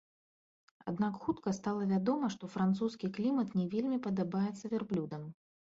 Аднак хутка стала вядома, што французскі клімат не вельмі падабаецца вярблюдам.